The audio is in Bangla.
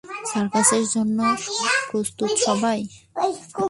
সার্কাসের জন্য প্রস্তুত সবাই?